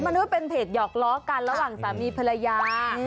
นึกว่าเป็นเพจหยอกล้อกันระหว่างสามีภรรยา